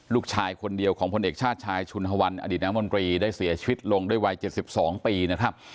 ลูกชายคนเดียวของพลเอกชาติชายชุนฮวันอดีตน้ำมนตรีได้เสียชีวิตลงด้วยวัย๗๒ปีนะครับ